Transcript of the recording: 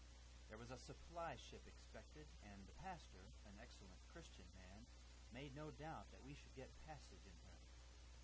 "There was a supply ship expected, and the pastor, an excellent Christian man, made no doubt that we should get passage in her.